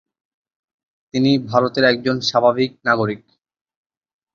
তিনি ভারতের একজন স্বাভাবিক নাগরিক।